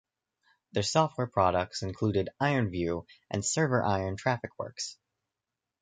Their software products included IronView and ServerIron TrafficWorks.